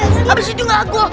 dan abis itu gak gol